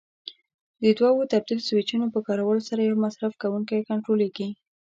د دوو تبدیل سویچونو په کارولو سره یو مصرف کوونکی کنټرولېږي.